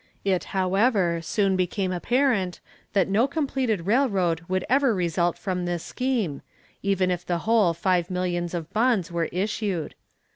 It, however, soon became apparent that no completed railroad would ever result from this scheme, even if the whole five millions of bonds were issued.